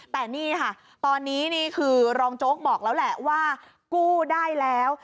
แต่นี่ค่ะตอนนี้นี่คือรองโจ๊กบอกแล้วแหละว่ากู้ได้แล้ว